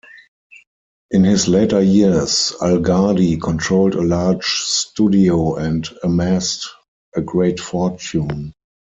In his later years Algardi controlled a large studio and amassed a great fortune.